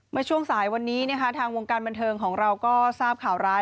เมื่อช่วงสายวันนี้นะคะทางวงการบันเทิงของเราก็ทราบข่าวร้าย